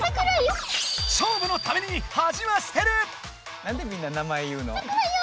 なんでみんな名前言うの？